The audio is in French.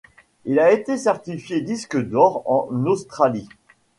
Il a été certifié Disque d'or en Australie.